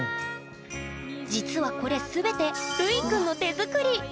実はこれ全てるいくんの手作り！